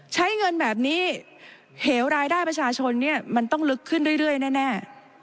ใช้เงินแบบนี้เหวรายได้ประชาชนเนี่ยมันต้องลึกขึ้นเรื่อยแน่